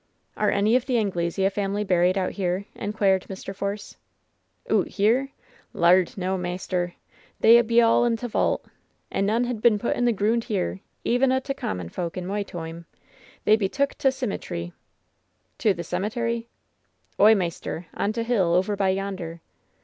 "Are any of the Anglesea family buried out here ?" inquired Mr. Force. "Oot here? Laird, no, maister! They be all in t' vault. And none ha' been put into t' groond here, eveii of t' common folk, in my toimel They be took to t' simitry.*' "To the cemetery ?'' "Oy, maister, on t' hill, over by yonder."